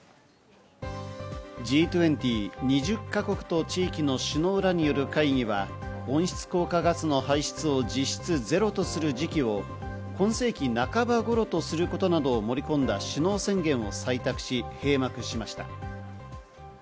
Ｇ２０＝２０か国と地域の首脳らによる会議は、温室効果ガスの排出を実質ゼロとする時期を今世紀半ばごろとすることなどを盛り込んだ首脳宣言を採択し、閉幕しました。